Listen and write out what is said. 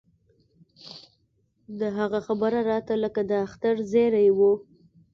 د هغه خبره راته لکه د اختر زېرى و.